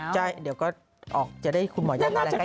ใช่เดี๋ยวก็ออกจะได้คุณหมออย่างอะไรใกล้ที